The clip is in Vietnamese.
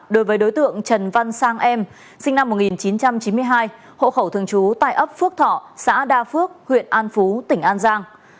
đối với đối tượng trần văn sang em sinh năm một nghìn chín trăm chín mươi hai hộ khẩu thường trú tại ấp phước thọ xã đa phước huyện an phú tỉnh an giang